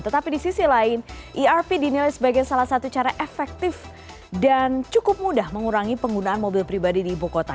tetapi di sisi lain erp dinilai sebagai salah satu cara efektif dan cukup mudah mengurangi penggunaan mobil pribadi di ibu kota